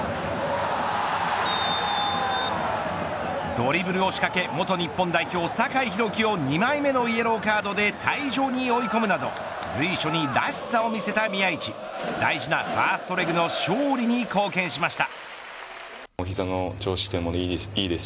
ドリブルを仕掛け、元日本代表酒井宏樹を２枚目のイエローカードで退場に追い込むなど随所に、らしさを見せた宮市大事なファーストレグの勝利に貢献しました。